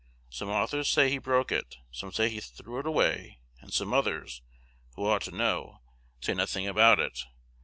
Some authors say he broke it; some say he threw it away; and some others, who ought to know, say nothing about it.